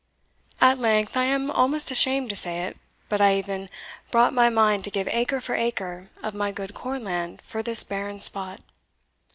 At length I am almost ashamed to say it but I even brought my mind to give acre for acre of my good corn land for this barren spot.